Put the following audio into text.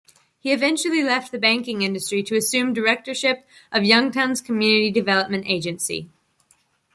He eventually left the banking industry to assume directorship of Youngstown's Community Development Agency.